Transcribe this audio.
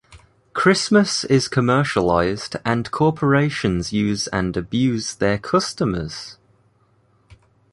Christmas is commercialized and corporations use and abuse their customers?